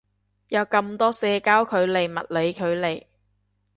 有咁多社交距離物理距離